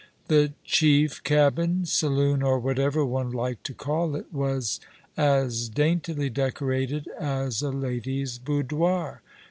The chief cabin, saloon, or whatever one liked to call it, was as daintily decorated as a lady's boudoir.